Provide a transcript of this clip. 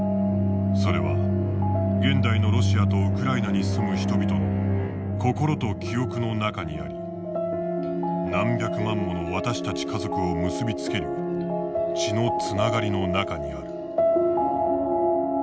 それは現代のロシアとウクライナに住む人々の心と記憶の中にあり何百万もの私たち家族を結び付ける血のつながりの中にある。